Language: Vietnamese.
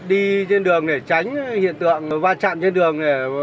đi trên đường để tránh hiện tượng va chạm trên đường này